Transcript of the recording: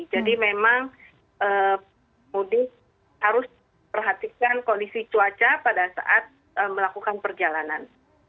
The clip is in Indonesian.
jadi memang mudik harus perhatikan kondisi cuaca pada saat melakukan perjalanan